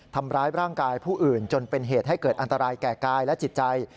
ทำร้ายร่างกายผู้อื่นจนเป็นเหตุให้เกิดอันตรายแก่กายและจิตใจ